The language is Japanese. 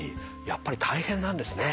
やっぱり大変なんですね。